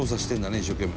一生懸命。